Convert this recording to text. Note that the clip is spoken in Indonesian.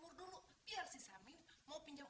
jiragan adekang samin mau bertemu